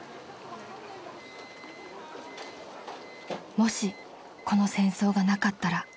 ［もしこの戦争がなかったら］